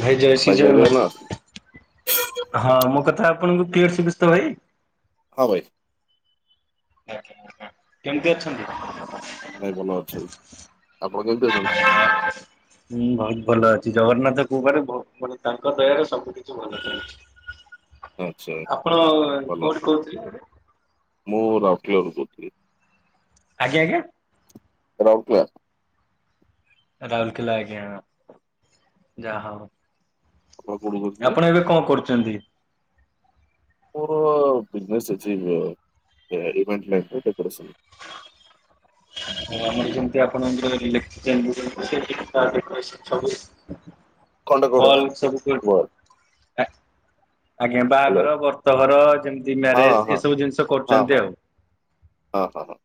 ଭାଇ ଜୟ ଶ୍ରୀଜଗନ୍ନାଥ। ହଁ ମୋ କଥା ଆପଣଙ୍କୁ କ୍ଲିୟର ଶୁଭୁଛି, ତ ଭାଇ? ହ- ଆଜ୍ଞା,। ଆ, କେମିତି ଅଛନ୍ତି? ଭାଇ ଭଲ ଅଛୁ। ଆପଣ କେମିତି ଅଛନ୍ତି? ହୁଁ ବହୁତ ଭଲ ଜଗନ୍ନାଥ କୃପାରୁ, ଭୋ-ମାନେ ତାଙ୍କ ଦୟାରେ ସବୁ କିଛି, ଭଲ ଚାଲିଛି। ଆଚ୍ଛା ଆପଣ ଭଲ। କୋଉଠି, କହୁଥିଲେ? ମୁଁ ରାଉଲକେଲାରୁ, କହୁଥିଲି। ଆଜ୍ଞା, ଆଜ୍ଞା। ରାଉଲକେଲା। ରାହୁଲକିଲ୍ଲା ଆଜ୍ଞା, ଯାହା ଆପଣ ହୋଉ। କୋଉଠୁ କହୁଥିଲେ? ଆପଣ ଏବେ କଣ, କରୁଛନ୍ତି? ମୋର ବିଜିନେସ୍ ଅଛି, ଅଇଭଣ୍ଟମେଣ୍ଟ ରେ ଡେକୋରେସନ। ଆଉ ଆମର ଯେମିତି ଆପଣଙ୍କର [unintelligible] କଲ ସବୁ ଖଣ୍ଡକଡ ହ୍ୟାଲୋ କି ଆଜ୍ଞା। ବାହାଘର, ବ୍ରତଘର ଯେମିତି, ହଁ ହଁ ହଁ ମ୍ୟାରେଜ ଏସବୁ ଜିନିଷ ହଁ କରୁଛନ୍ତି ଆଉ। ହଁ, ହଁ, ହଁ।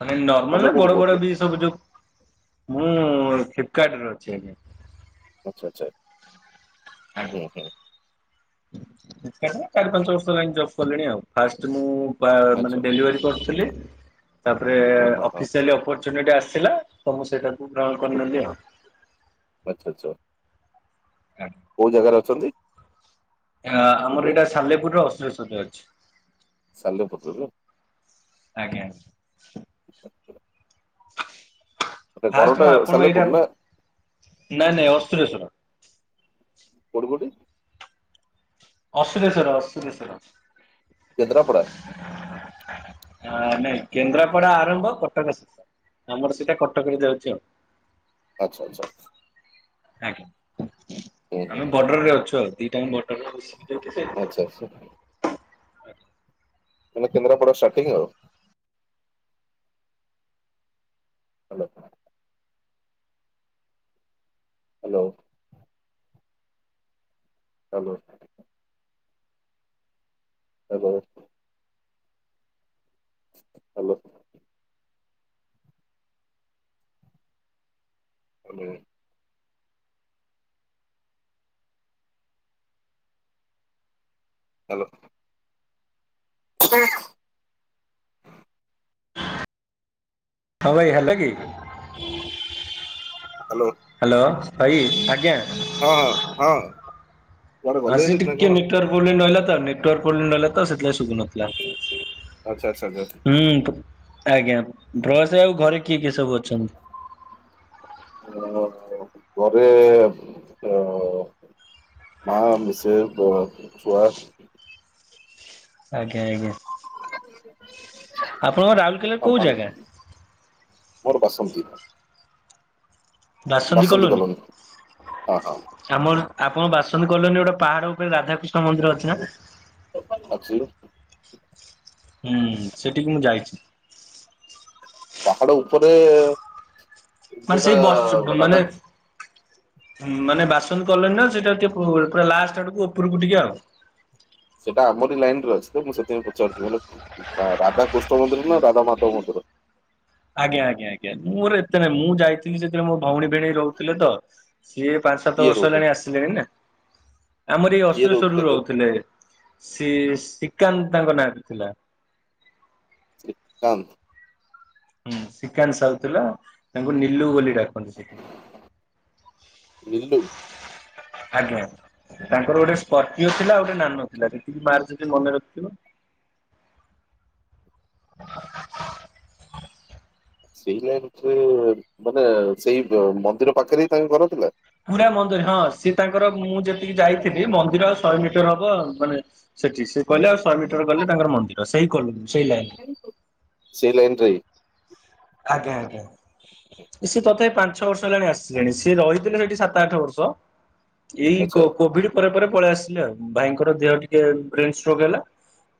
ମାନେ ନର୍ମାଲ ତମେ ନା କୋଉଠୁ ବଡ, ବଡ କହୁଥିଲ? ବି ସବୁ ଯୋଉ ମୁଁ ଫ୍ଲିପକାର୍ଟ, ରେ ଅଛି ଆଜ୍ଞା। ଆଛା, ଆଚ୍ଛା। ହୁ, ହୁଁ। ଫ୍ଲିପକାର୍ଟ ରେ ଚାରି, ପାଞ୍ଚ ବର୍ଷ ହେଲା ଜବ କଲିଣି, ଆଉ' ଫାଷ୍ଟ ମୁଁ ବା, ଆଚ୍ଛା ମାନେ ଡେଲିଭରି କରୁଥିଲି ତାପରେ, ହଁ ହଁ ହଁ ଅଫିସିଆଲି ଅପରଚୁନିଟି ଆସିଲା। ତ ମୁଁ ସେଇଟା କୁ, ଗ୍ରହଣ କରିନେଲି ଆଉ। ଆଚ୍ଛା ଆଚ୍ଛା କୋଉ ଜାଗାରେ, ଅଛନ୍ତି? ଆ, ଏବେ? ଆମର ଏଇଟା ସାଲେପୁରୁର ଅଶ୍ଵଶରୀରେ, ଅଛି। ସାଲେପୁରୁର? ଆଜ୍ଞା ନା ଫାଷ୍ଟ୍ ଘରଟା ମୁଁ ଆପଣଙ୍କୁ ସାଲେପୁର ଏଇଟା, ନା ନାଇଁ ନାଇଁ ଅସୁରେଶ୍ଵର। କଉଠି, କଉଠି? ଅସୁରେଶ୍ଵର, ଅସୁରେଶ୍ଵର। କେନ୍ଦ୍ରାପଡ଼ା? ନାଇଁ କେନ୍ଦ୍ରାପଡା ଆରମ୍ଭ, କଟକ ଶେଷ। ଆମର ସେଇଟା କଟକ ରେ, ଯାଉଛି ଆଉ। ଆଛା, ଆଛା। ଆଜ୍ଞା, ହୁଁ ଆମେ ହୁଁ। ବର୍ଡର ରେ ଅଛୁ, ଆଉ ଦିଟାଙ୍କ ଆଚ୍ଛା ବଡ ଆଚ୍ଛା [inaudible] ମାନେ କେନ୍ଦ୍ରାପଡ଼ା ଷ୍ଟାର୍ଟଟିଙ୍ଗ, ଆଉ। Hello- hello. Hello. Hello. Hello. Hello. Hello. ହ ହଁ ଭାଇ ହେଲାକି? ହାଲୋ। ଭାଇ ଆଜ୍ଞା। ହଁହଁ ହଁ। କୁଆଡେ ଗଲେ ଆଜି ହେରି ନା ଟିକେ କଣ ନେଟୱାର୍କ ପୋବ୍ଲେମ୍ ରହିଲା ତ ନେଟୱାର୍କ ପୋବ୍ଲେମ୍ ରହିଲା ତ ସେଥିଲାଗି ଶୁଭୁନଥିଲା। ଆଚ୍ଛା ଆଚ୍ଛା ଯାଉଚି। ହୁଁ। ଆଜ୍ଞା। ଡ୍ରସେ ଆଉ ଘରେ କିଏ କିଏ ସବୁ ଅ ଓହୋ। ଘରେ ର ମାଆ, ମିଶେସ୍ ବଅ ଛୁଆ। ଆଜ୍ଞା ଆଜ୍ଞା ଆପଣଙ୍କର ରାଉରକେଲାରେ ଆଉ କୋଉ ପାଣି ଜାଗା? ମୋର ବାସନ୍ତୀ। ବାସନ୍ତୀ କଲୋନୀ। ହଁ ହଁ ଆମର ଆପଣ ବାସନ୍ତୀ କଲୋନୀରେ ଗୋଟେ ପାହାଡ ଉପରେ ରାଧାକୃଷ୍ଣ ମନ୍ଦିର ଅଛି ନା? ଅଛି। ହୁଁ ସେଠିକି ମୁଁ ଯାଇଚି। ପାହାଡ ଉପରେ ମାନେ ଯୋଉଟା ସେଇ ବସ୍ ବ ମାନେ ରାଧା ମାନେ ବାସନ୍ତୀ କଲୋନୀର ସେଟାହଉଚି ଟିକେ ପୁ ପୁରା ଲାଷ୍ଟ ଆଡୁକୁ ଉପରକୁ ଟିକେ ଆଉ। ସେଟା ଆମରି ଲାଇନରେ ଅଛି ତ ମୁଁ ସେଥିପାଇଁ ପଚାରୁଚି ମତଲବ ରାଧା କୃଷ୍ଣ ମନ୍ଦିର ନା ରାଧାମାଧବ ମନ୍ଦିର? ଆଜ୍ଞା ଆଜ୍ଞା ଆଜ୍ଞା ମୁଅର ଏତେ ନାଇଁ ମୁଁ ଯାଇଥିଲି ସେତେବେଳେ ମୋ ଭଉଣୀ ଭିଣେଇ ରହୁଥିଲେ ତ। ସିଏ ପାଞ୍ଚ ସାତ କିଏ ବର୍ଷ ରହୁଛନ୍ତି ହେଲାଣି ଆସିଲେଣି ନା। ଆମରି ଏଇ ଅଶୁରେସ୍ୱରରୁ ରହୁଥିଲେ। ସିଏ ଶ୍ରୀ କାନ୍ତ୍ ତାଙ୍କ ନାଁଟି ଥିଲା। ଶ୍ରୀକାନ୍ତ୍। ହୁଁ ଶ୍ରୀକାନ୍ତ ସାହୁ ଥିଲା ତାଙ୍କୁ ନିଲୁ ବୋଲି ଡାକନ୍ତି ସେଠି। ନିଲୁ ଆଜ୍ଞା ତାଙ୍କର ଗୋଟିଏ ସ୍କର୍ପିଓ ଥିଲା ଆଉ ଗୋଟିଏ ନାନୋ ଥିଲା। ଯେତିକି [unintelligible] ସେତିକି ମନେ ରଖିଥିବ। [inaudible] ସେଇ ଲାଇନ୍ [unintelligible] ମାନେ ସେଇ ଅ ମନ୍ଦିର ପାଖରେ ହିଁ ତାଙ୍କ ଘର ଥିଲା? ପୁରା ମନ୍ଦିର ହଁ ସିଏ ତାଙ୍କର ମୁଁ ଯେତିକି ଯାଇଥିଲି ମନ୍ଦିର ଆଉ ଶହେ ମିଟର ହବ। ମାନେ ସେଠି ସେ କହିଲସ୍ ଶହେ ମିଟର ଗଲେ ତାଙ୍କର ମନ୍ଦିର। ସେଇ କଲୋନୀ। ସେଇ ଲାଇନ୍। ସେଇ ଲାଇନରେ ହିଁ ଆଜ୍ଞା ଆଜ୍ଞା ସିଏ ତଥାପି ପାଞ୍ଚ ଛଅ ବର୍ଷ ହେଲାଣି ଆସିଲେଣି। ସିଏ ରହିଥିଲେ ସେଠି ସାତ ଆଠ ବର୍ଷ। କଁ? ଏଇ କୋ ଆଚ୍ଛା କୋଭିଡ ପରେ ପରେ ପଳେଇ ଆସିଲେ ଆଉ ଭାଇଙ୍କର ଦେହ ଟିକେ ବ୍ରେନ ଷ୍ଟ୍ରୋକ ହେଲା।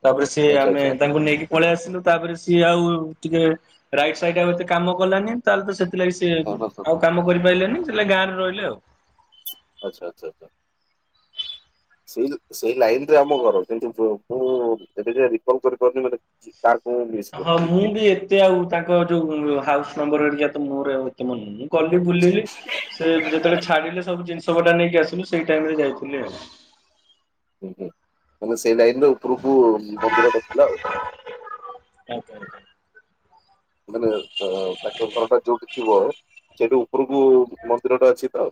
ତାପରେ ସିଏ ଆଚ୍ଛା ଆମେ ଆଚ୍ଛା ତାଙ୍କୁ ନେଇକି ପଳେଇ ଆସିଲୁ। ତାପରେ ସିଏ ଆଉ ଟିକେ ରାଇଟ୍ ସାଇଡ ଆଉ ଏତେ କାମ କଲାନି। ତାହେଲେ ତ ସେଥିଲାଗି ସିଏ ହଁ ହଁ ହଁ ଆଉ କାମ କରିପାଇଲେନି। ନାଇଁ ସେଥିଲାଗି ଗାଁରେ ରହିଲେ ଆଉ। ଆଚ୍ଛା ଆଚ୍ଛା ଆଚ୍ଛା। ସେଇଲ୍ ସେଇ ଲାଇନରେ ଆମ ଘର। କିନ୍ତୁ ମୁଁ ଏବେଯାଏଁ ରିକଲ କରିପାରୁନି ନ ହେଲେ ହଁ ମୁଁ ବି ଏତେ ଆଉ ତାଙ୍କ ଯୋଉ ଉଁ ହାଉସ୍ ନମ୍ବର ହେରିକା ତ ମୋର ଆଉ ଏତେ ମନେନାହିଁ। କଲୁ ବୁଲି ବୁଲି ସେ ଯେତେବେଳେ ଛାଡିଲେ ସବୁ ଜିନିଷ୍ ସ ପଟା ନେଇକି ଆସିଲୁ ସେଇ ଟାଇମରେ ଯାଇଥିଲି ଆଉ। ହୁଁ ହୁଁ ମାନେ ସେଇ ଲାଇନରେ ଉପୁରୁକୁ ମନ୍ଦିରଟା ଥିଲା ଆଉ। ଆଉ କଣ କହ? ମାନେ ଅ [unintelligible] ତାଙ୍କ ଘରଟା ଯୋଉଠି ଥିବ ସେଇଠି ଉପରକୁ ମନ୍ଦିରଟା ଅଛି ତ।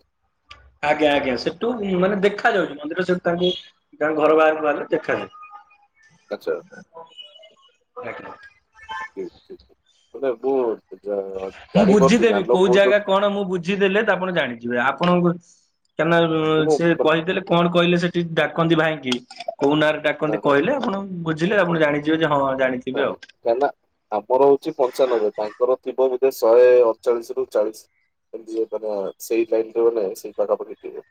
ଆଜ୍ଞା ଆଜ୍ଞା ସେଠୁ ମାନେ ଦେଖା ଯାଉଛି ମନ୍ଦିର ସେଠୁ ତାଙ୍କୁ ତାଙ୍କ ଘର ବାହାରକୁ ବାହାରିଲେ ଦେଖା ଆଛା। ନିଲ [unintelligible] ମୁଁ ଜାଣିପାରୁଛି ବୁଝିଦେବି ନାଲୋ କୋଉ ଜାଗା କହୁଛନ୍ତି କଣ ମୁଁ ବୁଝିଦେଲେ ଆପଣ ଜାଣିଯିବେ ଆପଣ କାରଣ ରେ ମୁଁ ସେ ମାନେ କହିଦେଲେ କଣ କହିଲେ ସେଠି ଡାକନ୍ତି ଭାଇକି କୋଉ ନାଁରେ ହଁ ହଁ। ଡାକନ୍ତି କହିଲେ ଆପଣ ବୁଝିଲେ ଆପଣ ଜାଣିଯିବେ ହଁ। ହଁ ଜାଣିଥିବେ ଆଉ କାହିଁକି ନା ଆମର ହଉଛି ପଞ୍ଚାନବେ ତାଙ୍କର ଥିବ ବୋ ଶହେ ଅଠଚାଳିଶ ରୁ ଚାଳିଶ। ଏମିତି [unintelligible] ସେଇ ଲାଇନରେ ଥିବ ସେଇ ପାଖା ପାଖି ଥିବ।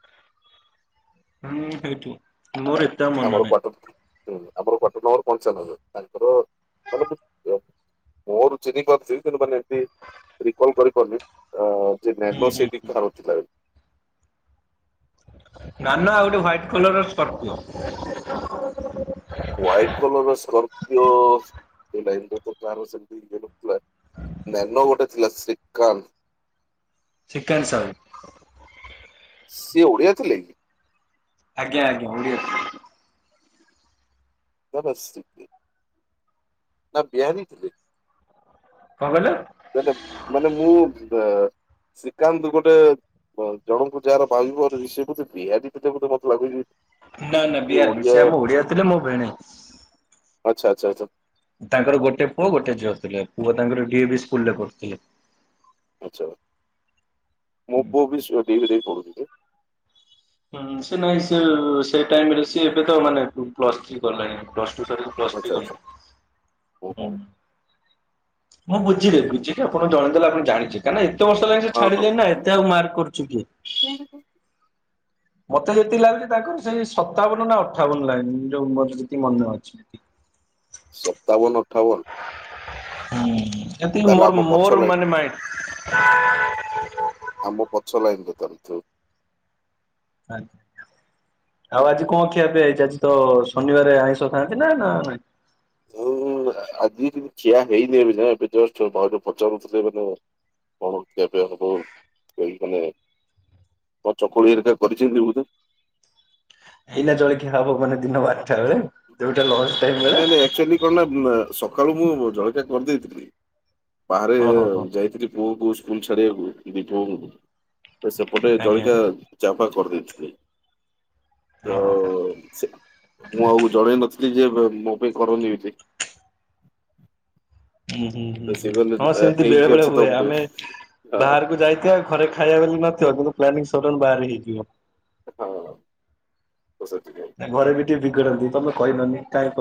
ହୁଁ ସେଇତୁ ମୋର ଏତେ ଆଉ ମନେ ଆମର କ୍ୱାଟର ନାହିଁ। ହୁଁ ଆପଣଙ୍କ କ୍ୱେଟର ନମ୍ବର ପଞ୍ଚାନେବେ ତାଙ୍କର ମୋର ଚିହ୍ନି ପାରୁଥିଲି କିନ୍ତୁ ମାନେ ଏମତି ରିକଲ କରିପାରୁନି ଆ ସେ ହୁଁ ନେନୋ ହୁଁ ସିଟିି ହୁଁ କାହାର ଥିଲା ବୋଲି। ନାନା ଆଉ ଗୋଟେ ୱାଇଟ କଲରର Scorpio. White colour Scorpio [unintelligible] car ସେମିତି ନ [inaudible] ନେନ ଗୋଟେ ଥିଲା ଶ୍ରୀକାନ୍ତ। ଚିକେନ୍ ସାହୁ। ସିଏ ଓଡିଆ ଥିଲେ। ଆଜ୍ଞା ଆଜ୍ଞା ଓଡ଼ିଆ। ନା ନା ଶ୍ରୀ ନା ବିହାରି ଥିଲେ। କଣ କହିଲ ମାନେ ମାନେ ମୁଁ ୱେ ଶ୍ରୀକାନ୍ତ ଗୋଟେ ଏ ବ ଜଣଙ୍କୁ ଯାହାର [unintelligible] ବୋଧେ ବିହାରି ଥିଲେ ମୋତେ ବୋଧେ ଲାଗୁଛି। ନା ନା ଇଏ ବିହାର ନୁହେଁ ଓଡିଆ ସେ ଆମ ଓଡିଆ ଥିଲେ ମୋ ଭିଣେଇ। ଆଚ୍ଛା ଆଚ୍ଛା ଆଚ୍ଛା। ତାଙ୍କର ଗୋଟେ ପୁଅ ଗୋଟେ ଝିଅ ଥିଲେ ପୁଅ ତାଙ୍କର ଡିଏ ବି ସ୍କୁଲ ରେ ପଢ଼ୁଥିଲେ। ଆଛା ମୋ ପୁଅ ବି ଡି ଏ ଭି ରେ ପଢ଼ୁଥିଲେ। ହଁ ସେ ନାଇଁ ସେ ସେ ଟାଇମରେ ସେ ଏବେ ତ ମାନେ ପ୍ଲସ୍ ଥ୍ରୀ କଲେଣି ପ୍ଲସ୍ ପ୍ଲସ୍ ଟୁ ସାରିକି ପ୍ଲସ୍ ଥ୍ରି ଆଚ୍ଛା ଆଚ୍ଛା କଲେ ଓହୋ ହୁଁ। ମୁଁ ବୁଝିଲି ବୁଝିକି ଆପଣଙ୍କୁ ଜଣେଇ ଦେଲେ ଆପଣ ଜାଣିଛି କାରଣ ଏତେ ଏତେ ବର୍ଷ ହେଲା ସେ ହଁ ହଁ। ଛାଡିଲେ ନା ଏତେ ଆଉ ମାର୍କ କରୁଛୁ କିଏ? ମତେ ଯେତିି ଲାଗୁଛି ତାଙ୍କର ସେଇ ସତାବନ ନା ଅଠାବନ ଲାଗନି ନି ମର ଯେତିକି ମନେ ଅଛି। ସତାବନ ଅଠାବନ। ହୁଁ ଏତିକି ତାହେଲେ ମୋର ଆମ ପଛ ମୋର ଲାଇନ ମାନେ ମାଇଣ୍ଡ। ଆମ ପଛ ଲାଇନ ବୋଧେ ତାର ଥିବ। ଆଜ୍ଞା। ଆଉ ଆଜି କଣ ଖିଆ ପିଆ ହେଇଛି ଆଜି ତ ଶନିବାର ଆଇଁଷ ଖାଆନ୍ତି ନା ନାହିଁ? ଉଁ ଆଜି କିନ୍ତୁ ଖିଆ ହେଇନି ଏବେ ଯାଙ୍କେ ଏବେ ଜଷ୍ଟ ଭାଉଜ ପଚାରୁଥିଲେ ମାନେ କଣ ଖିଆ ପିଆ ହବ ସେଇ ମାନେ କଣ ଚକୁଳି ହେକା କରିଛନ୍ତି ବୋଧେ। ଏଇନା ଜଳଖିଆ ହବ ମାନେ ଦିନ ବାରଟା ବେଳେ ଯୋଉଠି ନାଇଁ ନାଇଁ ଆଚୁଆଲି କଣ ନା ସକାଳୁ ମୁଁ ଜଳଖିଆ କରିଦେଇଥିଲି। ବାହାରେ ଓହୋ ହୋ ଯାଇଥିଲି ପୁଅକୁ ସ୍କୁଲ ଛାଡିବାକୁ ଦିଦି ପୁଅକୁ। ସେପଟେ ଆଜ୍ଞା ଜଳିକା ଚାପା କରିଦେଇଥିଲେ। ତ ଓହୋ ସେ ମୁଁ ଆଉ ଜଣେଇ ନଥିଲି ଯେ ମୋ ପେଇ କରନି ବୋଲି। ହୁଁ ହୁଁ ତ ହୁଁ ସେ ହୁଁ କହିଲେ ହଁ ସେମିତି ବେଳେ ହେଇକି ବେଳେ ଅଛି ହୁଏ ତମ ପାଇଁ। ଆମେ ହଁ ବାହାରକୁ ଯାଇଥିବ ଘରେ ଖାଇବା ବୋଲି ନଥିବ, କିନ୍ତୁ ପ୍ଲାନିଂ ସଡନ୍ ବାହାର ହେଇଯିବ। ହଁ ତ ସେ ଘରେ ବି ଟିକେ ବିଗଡନ୍ତି ତମେ କହିଲନି କାହିଁକି?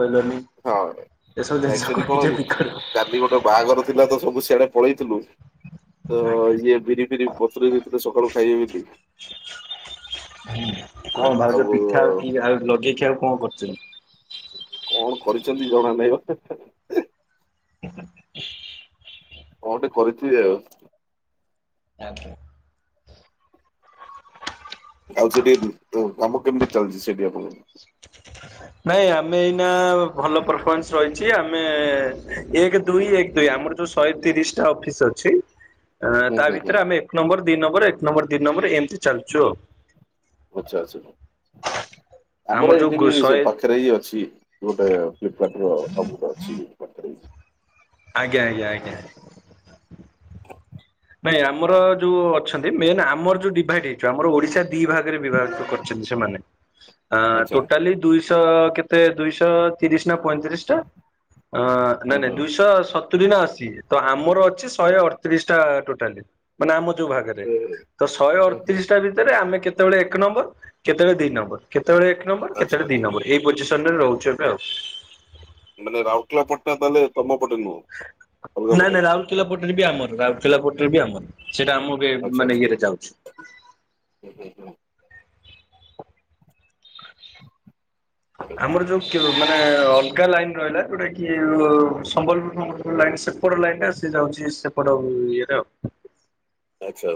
ହଁ। ଆକ୍ଚୁଆଲି କହିକି କଣ ଟିକେ ବିଗଡ କାଲି ଗୋଟେ ବାହାଘର ଥିଲା ତ ସବୁ ସିଆଡେ ପଳେଇଥିଲୁ ତ ଆଜ୍ଞା ଇଏ ବିରି ଫିରି ବତୁରେଇ ଦେଇଥିଲେ ସକାଳୁ ଖାଇବେ ବୋଲି ଆଉ ଭାଉଜ ପିଠା ଆଉ କି ଆଉ ଲଗେଇ କି ଆଉ କଣ କରୁଛନ୍ତି? କଣ କରିଛନ୍ତି ଜଣା ନାହିଁ। ହ [inaudible] କଣ ଟେ କରିଥିବେ ଆଉ। [unintelligible] ଆଉ ସେଠି କାମ କେମିତି ଚାଲିଛି? ସେଠି ଆପଣ ନାଇଁ ଆମେ ଏଇନା ଭଲ ପରଫମାନ୍ସ ରହିଛି ଆମେ ଏକ ଦୁଇ ଏକ ଦୁଇ ଆମର ଯୋଉ ଶହେ ତିରିଶ ଟା ଅଫିସ ଅଛି ହୁଁ ତା ହୁଁ ହୁଁ ଭିତରେ ଆମେ ଏକ ନମ୍ବର ଦି ନମ୍ବର ଏକ ନମ୍ବର ଦି ନମ୍ବର ଏମିତି ଚାଲଛୁ ଆଉ। ଆଚ୍ଛା ଆଚ୍ଛା ଆମର ଏଇଠି ଯୋଉ ବି ସେ ଶହେ ପାଖ ଅଛି ଗୋଟେ ଫ୍ଲିପ୍ କାର୍ଟର ଆଉ ଗୋଟେ ଅଛି। ହିଁ। ଆଜ୍ଞା ଆଜ୍ଞା ଆଜ୍ଞା। ନାଇଁ ଆମର ଯଉଁ ଅଛନ୍ତି ମେନ୍ ଆମର ଯେଉଁ ଡିଭାଇଡ୍ ହେଇଛ ଆମର ଓଡ଼ିଶା ଦୁଇ ଭାଗରେ ବିଭାଗ କରିଛନ୍ତି ସେମାନେ ଆଚ୍ଛା ଟୋଟାଲି ଦୁଇଶହ କେତେ ଦୁଇଶହ ତିରିଶ ନା ପଇତିରିଶ ଟା ନାଇଁ ହଁ ନାଇଁ ହଁ ଦୁଇଶହ ସତୁରି ନା ଅଶୀ ତ ଆମର ଅ ଶହେ ଅଠତିରିଶ ଟୋଟାଲ ମାନେ ଆମ ଭରେ ହୁଁ ଶହେ ହୁଁ ଅଠତିରିଶଟା ଭିତରେ ଆମେ କେତେବେଳେ ଏକ ନମ୍ବର କେତେବେଳେ ଦି ନମ୍ବର କେ କେତେବେଳେ ଏକ ନମ୍ବର ଆଚ୍ଛା କେତେବେଳେ ଦିଇ ଆଚ୍ଛା। ନମ୍ବର ଏଇ ପଜିସନରେ ରହୁଛି ଏବେ ଆଉ। ମାନେ ରାଉରକେଲା ପଟଣା ତାହେଲେ ତମ ପଟେ ନୁହଁ ନାଇଁ ଅଲଗାପଟେ? ନାଇଁ ରାଉରକେଲା ବି ଆମର ଆଉଥିଲା ପଟରେ ବି ଆମର। ସେଟା ମୁଁ ବି ଆଚ୍ଛା ମାନେ ଆଚ୍ଛା। ଇଏରେ ଯାଉଛି। ହୁଁ, ହୁଁ, ହୁଁ। ଆଚ୍ଛା ଆମର ଯୋଉ ଅଲଗା ଲାଇନ୍ ରହିଲା ଯୋଉଟା କି ସମ୍ବଲପୁର ଫମ୍ବଲପୁର ଲାଇନ ସେପଟ ଲାଇନରେ ସେ ଯାଉଛି। ସେପଡ଼ ଇଏ ରେ। ଆଚ୍ଛା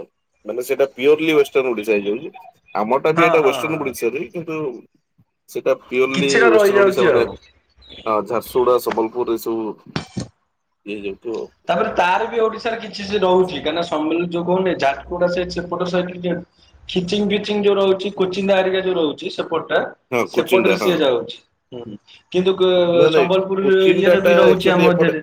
ମାନେ ସେଇଟା ପିଓରଲି ୱଷ୍ଟର୍ଣ ଓଡିଶା ହେଇଯାଉଛି ଆମଟା ବି ହଁ ଏଟା ହଁ ୱେଷ୍ଟର୍ଣ ଓଡିଶା ରେ କିନ୍ତୁ ସେଇଟା ପିଓରଲି କିଛିଟା ୱେଷ୍ଟର୍ଣ୍ଣ ଓଡିଶା ରହିଯାଉଛି ମାନେ ଆଉ। ହ ଝାରସୁଗୁଡ଼ା ସମ୍ବଲପୁର ଏ ସବୁ ଏ ଯେଉ ତ ତାପରେ ତାର ବି ଓଡିଶାରେ କିଛି ସେ ରହୁଛି କାହିଁନା ସମଳ ଯୋ କହୁନେ [unintelligible] ଝାଟୁଡା ସେ ସେପଡ [unintelligible] ଖିଚିଙ୍ଗ୍ ଫିଚିଙ୍ଗ୍ ଯୋଉ ରହୁଛି କୋଚିଣ୍ଡା ହେରିକା ରହୁଛି ସେପଟ ହଁ କୋଚିନ୍ ଟା ସେପଟରେ ହଁ ସିଏ ଯାଉଛି ହୁଁ। କିନ୍ତୁ ନାଇଁ ନାଇଁ ସମ୍ବଲପୁର କୋଚିନ୍ ଟା ଇଏ ର ଟା ବି ରହୁଛି ଆକ୍ଚୁଆଲି ଆମ ଏପଟେ ମଧ୍ୟରେ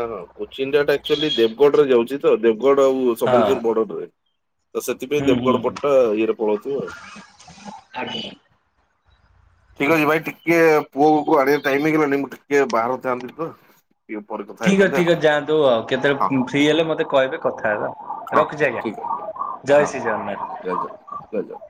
ହଁ ହଁ କୋଚିଣ୍ଡା ଟା ଆକ୍ଚୁଆଲି ଦେବଗଡ ରେ ଯାଉଛି ତ ଦେବଗଡ଼ ଆଉ ହଁ। ସମ୍ବଲପୁର ବର୍ଡରରେ ତ ସେଥିପାଇଁ ହୁଁ ହୁଁ ଦେବଗଡ଼ ହୁଁ ପଟ୍ଟା ଇଏରେ ପଳାଉଥିବୁ ଆଉ। ଆଜ୍ଞା। ଠିକ ଅଛି ଭାଇ ଟିକେ ପୁଅକୁ ଆଣିବା ଟାଇମିଙ୍ଗ୍ ହେଇଗଲାଣି ଟିକେ ବାହାରି ଥାନ୍ତି ତ। ଟିକେ ପରେ କଥା ଠିକ୍ ଅଛି ହେଇଥାନ୍ତେ ଠିକ୍ ଆଉ ଯାଆନ୍ତୁ ଆଉ କେତେବେଳେ ଫ୍ରି ହେଲେ ମତେ କହିବେ କଥା ହେବା। ହଁ ହଁ ରଖୁଛି ଆଜ୍ଞା ଠିକ୍ ଅଛି ଭାଇ ହଁ ଜୟ ଶ୍ରୀ [unintelligible] ଜଗନ୍ନାଥ। ଜଲେ ଜୟ ଜଲ। [unintelligible]